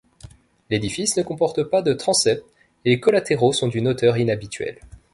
L'édifice ne comporte pas de transept et les collatéraux sont d'une hauteur inhabituelle.